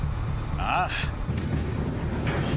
ああ。